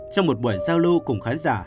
trong một buổi giao lưu cùng khán giả